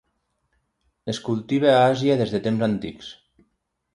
Es cultiva a Àsia des de temps antics.